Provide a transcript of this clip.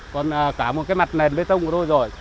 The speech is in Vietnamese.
còn cả một cái mặt nền bê tông của tôi rồi